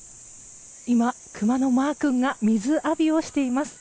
今、クマのマー君が水浴びをしています。